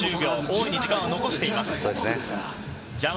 大いに時間は残しています。